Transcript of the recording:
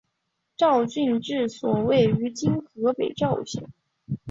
赵郡治所位于今河北赵县。